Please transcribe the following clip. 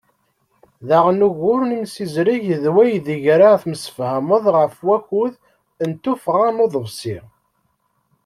Daɣen, ugur n yimsiẓreg d waydeg ara temsefhameḍ ɣef wakud n tuffɣa n uḍebsi.